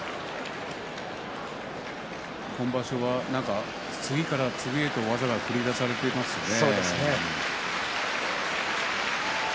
今場所は次から次へと技が繰り出されていますね。